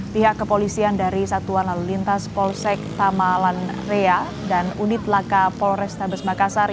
pihak kepolisian dari satuan lalu lintas polsek tamalan rea dan unit laka polrestabes makassar